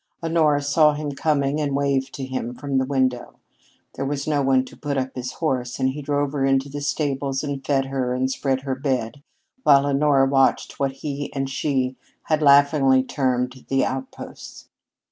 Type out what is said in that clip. Honora saw him coming and waved to him from the window. There was no one to put up his horse, and he drove her into the stables and fed her and spread her bed while Honora watched what he and she had laughingly termed "the outposts."